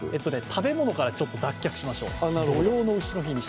食べ物からちょっと脱却しましょう。